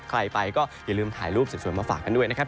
ใครไปก็อย่าลืมถ่ายรูปสวยมาฝากกันด้วยนะครับ